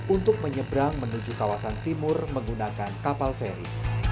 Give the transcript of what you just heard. untuk menyeberang menuju kawasan timur menggunakan kapal feri